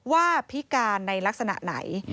พิการในลักษณะไหน